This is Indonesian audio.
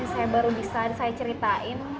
saya baru desain saya ceritain